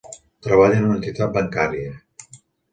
Treballa en una entitat bancària.